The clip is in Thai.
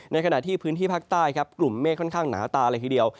ขณะที่พื้นที่ภาคใต้ครับกลุ่มเมฆค่อนข้างหนาตาเลยทีเดียว